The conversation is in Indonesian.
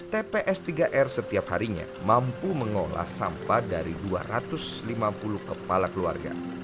tps tiga r setiap harinya mampu mengolah sampah dari dua ratus lima puluh kepala keluarga